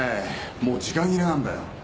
もう時間切れなんだよ。